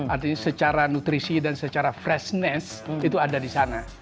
artinya secara nutrisi dan secara freshness itu ada di sana